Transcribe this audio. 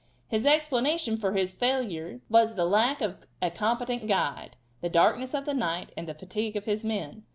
His explanations for his failure were the lack of a competent guide, the darkness of the night, and the fatigue of his men.